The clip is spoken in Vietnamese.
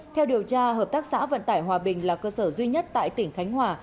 theo điều tra hợp tác xã vận tải hòa bình là cơ sở duy nhất tại tỉnh khánh hòa